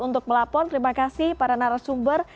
untuk melapor terima kasih para narasumber